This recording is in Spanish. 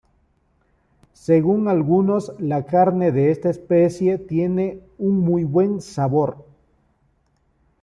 Según algunos, la carne de esta especie tiene un muy buen sabor.